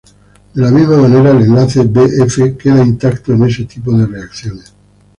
De la misma manera el enlace B-F queda intacto en este tipo de reacciones.